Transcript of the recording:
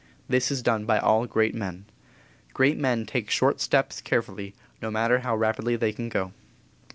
This is done by all great men. Great men take short steps carefully, no matter how rapidly they can go.